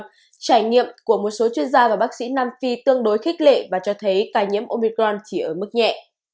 nhưng trải nghiệm của một số chuyên gia và bác sĩ nam phi tương đối khích lệ và cho thấy ca nhiễm omicron chỉ ở mức nhẹ